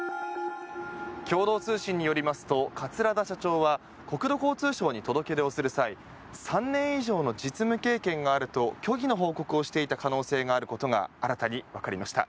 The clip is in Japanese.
共同通信によりますと桂田社長は国土交通省に届け出をする際３年以上の実務経験があると虚偽の報告をしていた可能性があることが新たにわかりました。